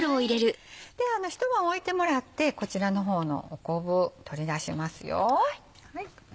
一晩置いてもらってこちらの方の昆布を取り出しますよ。